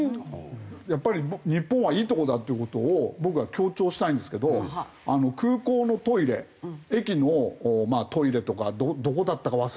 やっぱり日本はいいとこだっていう事を僕は強調したいんですけど空港のトイレ駅のトイレとかどこだったか忘れたけど。